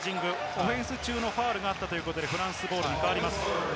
オフェンス中のファウルがあったということでフランスボールです。